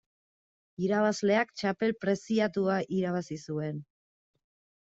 Irabazleak txapel preziatua irabazi zuen.